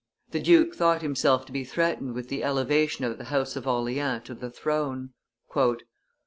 The duke thought himself to be threatened with the elevation of the house of Orleans to the throne.